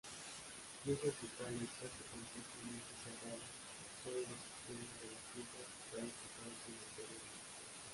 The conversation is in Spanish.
Piezas bucales casi completamente cerradas, solo los extremos de las piezas bucales aparecen anteriormente.